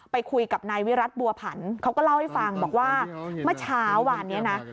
ไปคุยกับนายวิรัติบัวผันเขาก็เล่าให้ฟังบอกว่าเมื่อเช้าวานนี้นะ